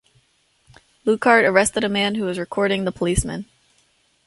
Lukart arrested a man who was recording the policeman.